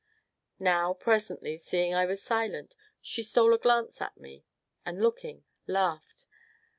Now presently, seeing I was silent, she stole a glance at me, and looking, laughed.